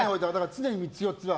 常に３つ４つは。